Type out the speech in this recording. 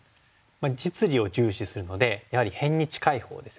実利を重視するのでやはり辺に近いほうですよね。